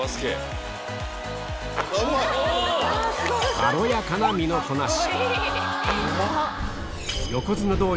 軽やかな身のこなし